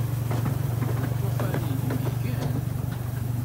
Lṭufan-inem igen?